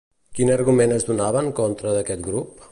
Quin argument es donava en contra d'aquest grup?